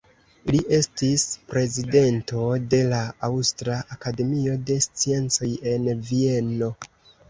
Li estis prezidento de la Aŭstra Akademio de Sciencoj en Vieno.